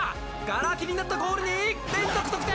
ら空きになったゴールに連続得点！